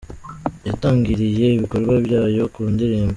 yatangiriye ibikorwa byayo ku ndirimo .